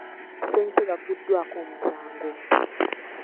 Ssentebe agguddwako omusango.